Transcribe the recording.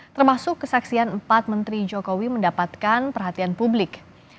termasuk kesaksian empat menteri jokowi mendapatkan perhatian publik